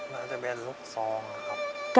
น่าจะเป็นลูกซองนะครับ